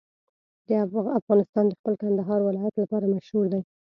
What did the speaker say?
افغانستان د خپل کندهار ولایت لپاره مشهور دی.